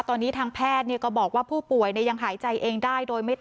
ตอนนี้ทางแพทย์ก็บอกว่าผู้ป่วยยังหายใจเองได้โดยไม่